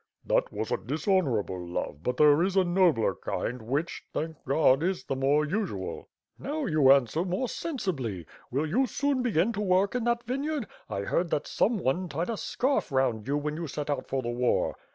"That was a dishonorable love, but there is a nobler kind which, thank God, is the more usual." "Now you answer more sensibly. Will you soon begin to work in that vineyard. I heard that some one tied a scarf round you when you set out for the war."